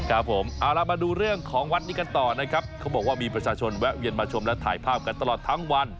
ครับผมเอาล่ะมาดูเรื่องของวัดนี้กันต่อนะครับเขาบอกว่ามีประชาชนแวะเวียนมาชมและถ่ายภาพกันตลอดทั้งวัน